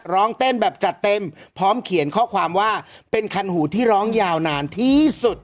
ร้องเต้นแบบจัดเต็มพร้อมเขียนข้อความว่าเป็นคันหูที่ร้องยาวนานที่สุด